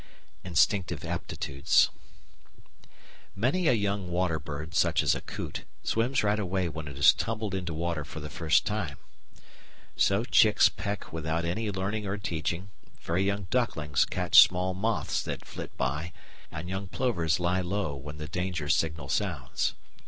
Instinctive Aptitudes Many a young water bird, such as a coot, swims right away when it is tumbled into water for the first time. So chicks peck without any learning or teaching, very young ducklings catch small moths that flit by, and young plovers lie low when the danger signal sounds.